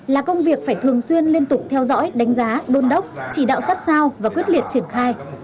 là công việc phải thường xuyên liên tục theo dõi đánh giá đôn đốc chỉ đạo sát sao và quyết liệt triển khai